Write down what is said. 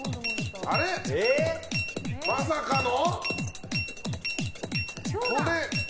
まさかの。